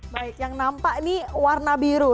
baik yang nampak ini warna biru